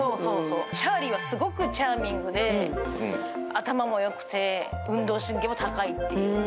チャーリーはすごくチャーミングで頭もよくて、運動神経も高いという。